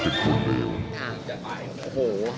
โอ้โฮ